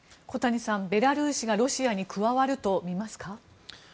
小谷さん、ベラルーシがロシアに加わるとみますか？